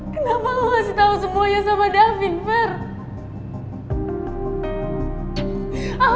kenapa lo kasih tau semuanya sama daffyn bel